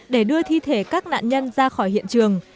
để đưa thi thể các nạn nhân ra khỏi hiện trường